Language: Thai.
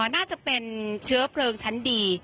น่าจะเป็นเชื้อเพลิงชั้นดี